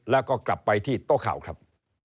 แล้วก็กลับไปที่โต๊ะข่าวครับ